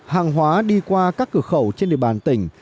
hàng hóa đi qua các cửa khẩu trên địa bàn tỉnh